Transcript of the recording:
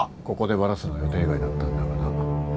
ここでバラすのは予定外だったんだがな。